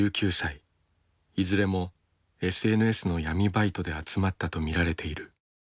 いずれもＳＮＳの闇バイトで集まったと見られている。